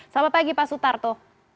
selamat pagi pak sutarto